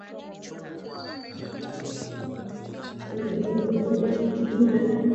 Mapinduzi ya mwaka jana yalileta wimbi jipya la wakimbizi wakiwemo waandishi